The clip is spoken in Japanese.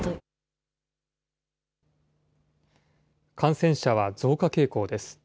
感染者は増加傾向です。